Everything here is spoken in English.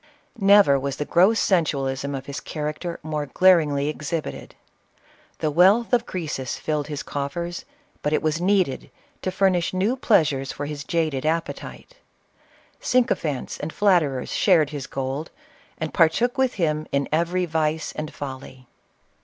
Never was the gross sensualism of his character more glaringly ex hibited. The wealth of Crcesus filled his coffers, but it was needed to furnish new pleasures for his jaded appetite. Sycophants and flatterers shared his gold, and partook with him in every vice and folly.